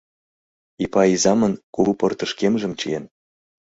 Ипай изамын кугу портышкемжым чиен.